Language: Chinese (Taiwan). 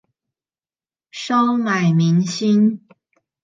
收買民心